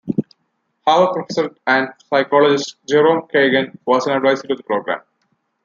Harvard professor and psychologist Jerome Kagan was an advisor to the program.